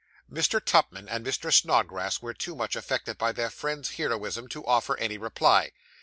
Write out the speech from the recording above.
Mr. Tupman and Mr. Snodgrass were too much affected by their friend's heroism to offer any reply.